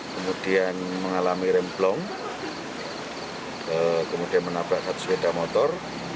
kemudian mengalami remblong kemudian menabrak satu sepeda motor